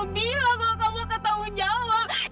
bilang kalau kamu ketahuan jawab